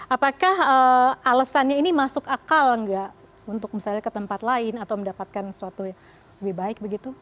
apakah alasannya ini masuk akal nggak untuk misalnya ke tempat lain atau mendapatkan sesuatu yang lebih baik begitu